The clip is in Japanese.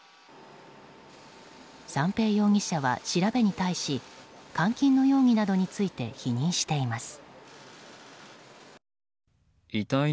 三瓶容疑者は調べに対し監禁の容疑などについて否認しています。